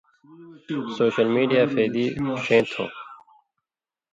سوشل میڈیاں فَیدی ݜَیں تھو